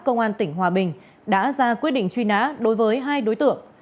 công an tỉnh hòa bình đã ra quyết định truy nã đối với hai đối tượng